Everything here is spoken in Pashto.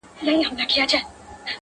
o ستا د سترگو جام مي د زړه ور مات كـړ ـ